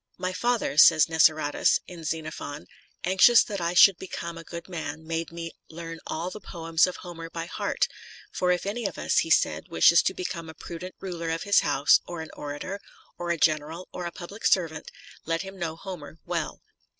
" My father," says Niceratus, in Xenophon, *' anxious that I should become a good man, made me learn all the poems of Homer by heart, for if any of us, he said, wishes to become a prudent ruler of his house or an orator or a general or a public servant, let him know Homer well."